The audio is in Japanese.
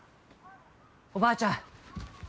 ・おばあちゃん！